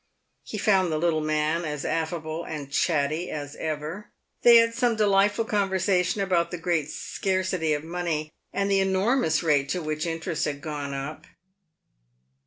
He found the little man as affable and chatty as ever. They had some delightful conversation about the great scarcity of money, and the enormous rate to which interest had gone up.